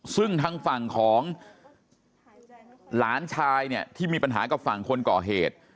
ซึ่งทางฝั่งของหลานชายเนี่ยที่มีปัญหากับฝั่งคนก่อเหตุ